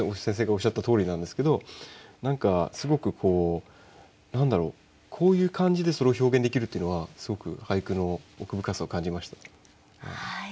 先生がおっしゃったとおりなんですけど何かすごくこう何だろうこういう感じでそれを表現できるというのはすごく俳句の奥深さを感じましたね。